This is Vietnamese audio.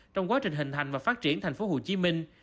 trong quá trình hình hành và phát triển thành phố hồ chí minh